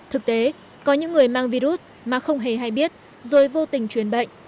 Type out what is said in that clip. thực tế có những người mang virus mà không hề hay biết rồi vô tình truyền bệnh